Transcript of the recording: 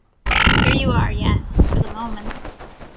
Here you are, yes — for the moment.